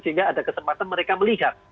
sehingga ada kesempatan mereka melihat